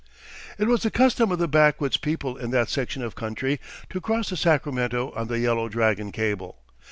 It was the custom of the backwoods people in that section of country to cross the Sacramento on the Yellow Dragon cable.